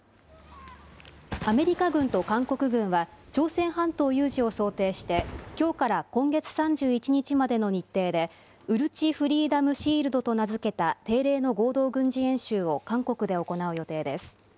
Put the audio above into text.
アメリカ軍と韓国軍は、朝鮮半島有事を想定して、きょうから今月３１日までの日程で、ウルチ・フリーダム・シールドと名付けた定例の合同軍事演習を韓国で行う予定です。